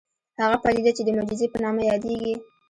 هغه پديده چې د معجزې په نامه يادېږي.